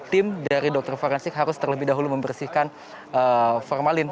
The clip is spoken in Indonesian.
tim dari dokter forensik harus terlebih dahulu membersihkan formalin